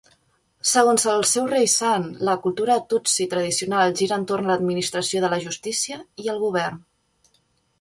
Segons el seu rei sant, la cultura tutsi tradicional gira entorn l"administració de la justícia i el govern.